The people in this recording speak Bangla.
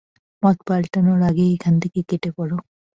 মত পাল্টানোর আগেই এখান থেকে কেটে পড়ো।